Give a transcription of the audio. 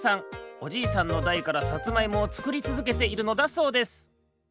おじいさんのだいからさつまいもをつくりつづけているのだそうです